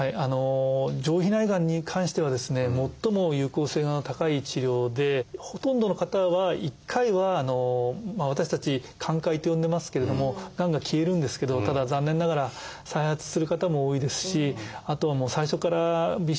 上皮内がんに関してはですね最も有効性が高い治療でほとんどの方は１回は私たち「寛解」と呼んでますけれどもがんが消えるんですけどただ残念ながら再発する方も多いですしあとはもう最初からＢＣＧが効かない方もいらっしゃいます。